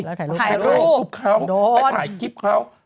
ไปถ่ายรูปเขาไปถ่ายคลิปเขา